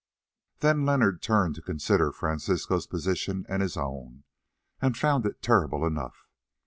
Then Leonard turned to consider Francisco's position and his own, and found it terrible enough.